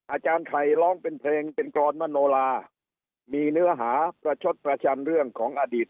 อาจารย์ไข่ร้องเป็นเพลงเป็นกรอนมโนลามีเนื้อหาประชดประชันเรื่องของอดีต